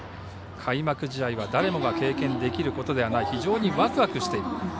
開幕試合は誰もが経験できることではない非常にワクワクしている。